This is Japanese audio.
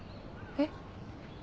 えっ？